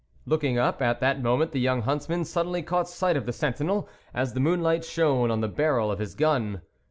Looking up at that moment, the young huntsman suddenly caught sight of the sentinel, as the moon light shone on the barrel of his " gun.